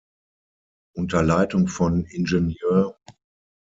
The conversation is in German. Unter Leitung von Ing.